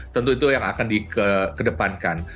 tentu itu yang akan dikedepankan